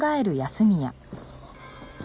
あっ！